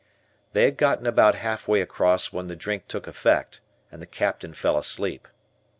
They had gotten about half way across when the drink took effect and the Captain fell asleep.